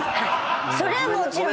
それはもちろんです。